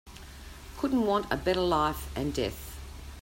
Couldn't want a better life and death.